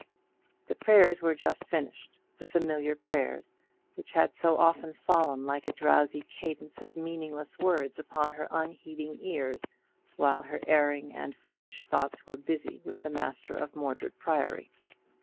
The prayers were just finished, the familiar prayers, which had so often fallen like a drowsy cadence of meaningless words upon her unheeding ears, while her erring and foolish thoughts were busy with the master of Mordred Priory.